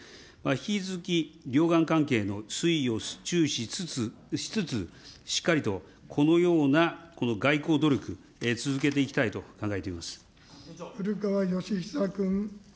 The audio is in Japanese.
引き続き両岸関係の推移を注視しつつ、しっかりとこのようなこの外交努力、古川禎久君。